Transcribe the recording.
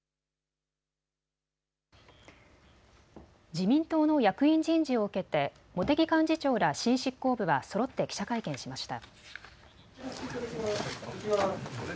自民党の役員人事を受けて茂木幹事長ら新執行部はそろって記者会見しました。